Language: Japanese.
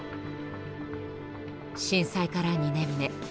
震災から２年目。